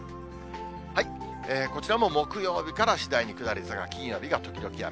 こちらも木曜日から次第に下り坂、金曜日が時々雨。